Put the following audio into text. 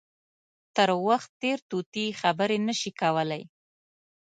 تر وخت تېر طوطي خبرې نه شي کولای.